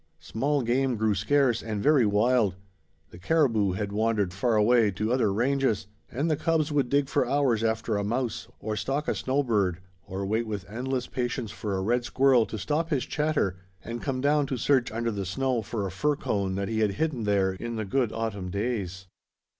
Small game grew scarce and very wild; the caribou had wandered far away to other ranges; and the cubs would dig for hours after a mouse, or stalk a snowbird, or wait with endless patience for a red squirrel to stop his chatter and come down to search under the snow for a fir cone that he had hidden there in the good autumn days.